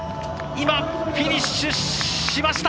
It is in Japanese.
フィニッシュしました！